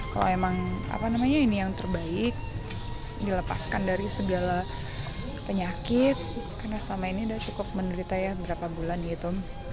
kalau memang ini yang terbaik dilepaskan dari segala penyakit karena selama ini sudah cukup menerita ya berapa bulan gitu